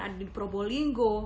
ada di probolinggo